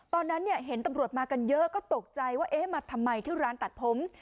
ตอนนั้นเห็นตำรวจมากันเยอะก็ตกใจว่าเอ๊ะมาทำไมที่ร้านตัดผม